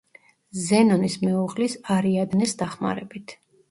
ზენონის მეუღლის არიადნეს დახმარებით.